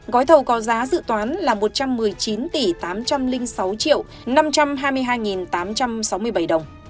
gói thầu có giá dự toán là một trăm một mươi chín tỷ tám trăm linh sáu triệu năm trăm hai mươi hai tám trăm sáu mươi bảy đồng